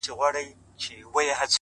o دا خو ددې لپاره؛